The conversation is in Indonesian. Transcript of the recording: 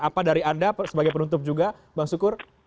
apa dari anda sebagai penutup juga bang sukur